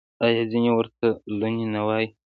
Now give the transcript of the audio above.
آیا ځینې ورته لوني نه وايي؟